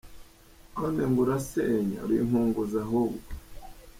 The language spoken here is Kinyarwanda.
None ngo urasenya!! Uri inkunguzi ahubwo.